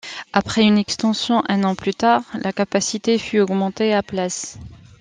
Après une extension un an plus tard, la capacité fut augmentée à places.